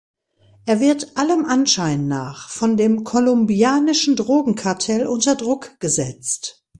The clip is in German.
Er wird allem Anschein nach von dem kolumbianischen Drogenkartell unter Druck gesetzt.